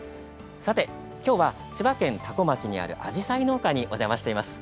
きょうは千葉県多古町にあるアジサイ農家にお邪魔しています。